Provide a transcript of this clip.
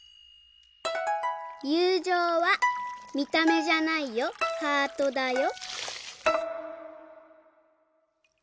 「ゆうじょうは見た目じゃないよハートだよ」。